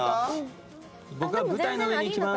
僕は舞台の上に行きます。